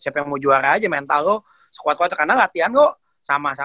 siapa yang mau juara aja mental lo sekuat kuat karena latihan lo sama